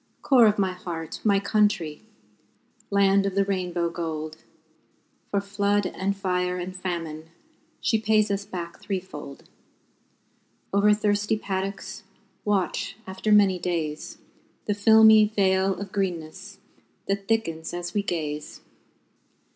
Core of my heart, my country! Land of the Rainbow Gold, For flood and fire and famine, She pays us back threefold; Over thirsty paddocks, Watch, after many days, The filmy veil of greenness That thickens as we gaze.